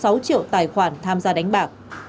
và sáu triệu tài khoản tham gia đánh bạc